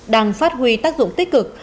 đang phát huy tác dụng tích cực